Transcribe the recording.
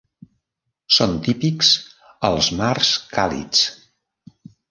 Són típics als mars càlids.